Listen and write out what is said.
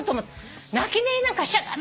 「泣き寝入りなんかしちゃ駄目」